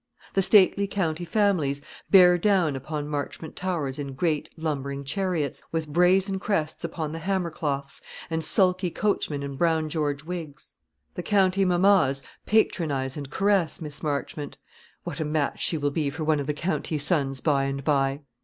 The stately county families bear down upon Marchmont Towers in great lumbering chariots, with brazen crests upon the hammer cloths, and sulky coachmen in Brown George wigs. The county mammas patronise and caress Miss Marchmont what a match she will be for one of the county sons by and by!